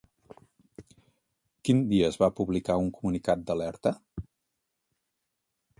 Quin dia es va publicar un comunicat d'alerta?